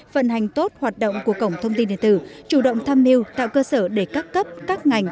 phần hành tốt hoạt động của cổng thông tin điện tử chủ động tham mưu tạo cơ sở để các cấp các ngành